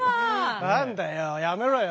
何だよやめろよ。